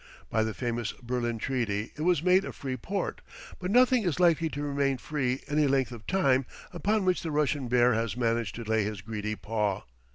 By the famous Berlin treaty it was made a free port; but nothing is likely to remain free any length of time upon which the Russian bear has managed to lay his greedy paw.